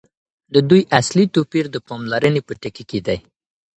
د دوی اصلي توپیر د پاملرني په ټکي کي دی.